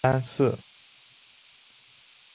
德瑞福是能够稳定激光的的发明者之一。